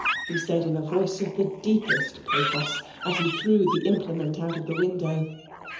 he said in a voice of the deepest pathos, as he threw the implement out of the window.